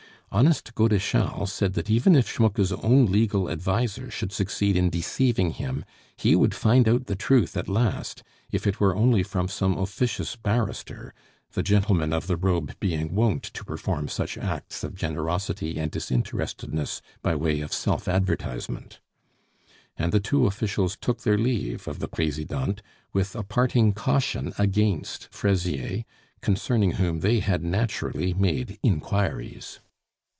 Honest Godeschal said that even if Schmucke's own legal adviser should succeed in deceiving him, he would find out the truth at last, if it were only from some officious barrister, the gentlemen of the robe being wont to perform such acts of generosity and disinterestedness by way of self advertisement. And the two officials took their leave of the Presidente with a parting caution against Fraisier, concerning whom they had naturally made inquiries.